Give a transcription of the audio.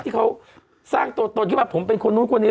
ที่เขาสร้างตัวตนขึ้นมาผมเป็นคนนู้นคนนี้